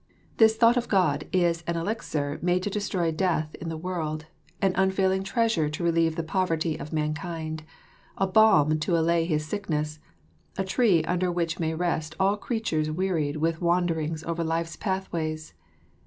This thought of God "is an elixir made to destroy death in the world, an unfailing treasure to relieve the poverty of mankind, a balm to allay his sickness, a tree under which may rest all creatures wearied with wanderings over life's pathways.